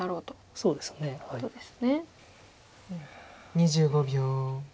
２５秒。